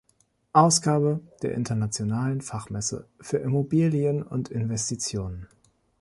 Ausgabe der Internationalen Fachmesse für Immobilien und Investitionen.